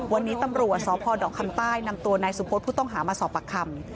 วันนี้ตำรวจสพดอกคำใต้นำตัวนายสุพธิ์ผู้ต้องหามาสอบปากคำ